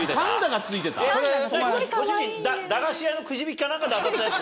ご主人駄菓子屋のくじ引きかなんかで当たったやつ？